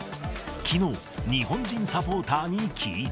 きのう、日本人サポーターに聞いた。